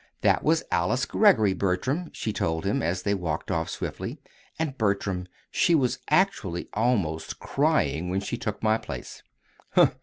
"That was Alice Greggory, Bertram," she told him, as they walked on swiftly; "and Bertram, she was actually almost crying when she took my place."